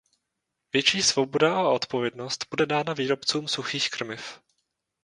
Větší svoboda a odpovědnost bude dána výrobcům suchých krmiv.